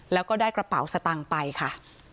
แล้วก็ได้กระเป๋าสตังค์ไปค่ะ